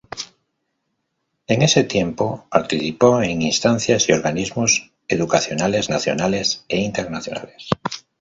En ese tiempo participó en instancias y organismos educacionales nacionales e internacionales.